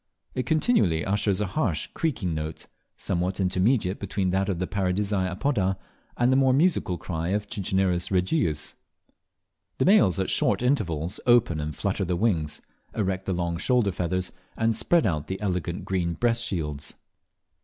It continually utters a harsh, creaking note, somewhat intermediate between that of Paradisea apoda, and the more musical cry of Cicinnurus regius. The males at short intervals open and flutter their wings, erect the long shoulder feathers, and spread out the elegant green breast shields.